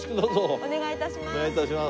お願い致します。